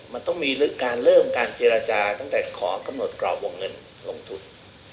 มันต้องมีการเริ่มการเจรจาตั้งแต่ขอกำหนดกรอบวงเงินลงทุน